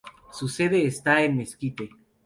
Su sede está en Mesquite.